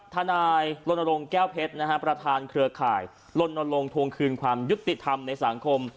ธนายรณรงค์แก้วเพชรนะฮะประธานเครือข่ายรณรงค์ทวงคืนความยุติธรรมในสังคม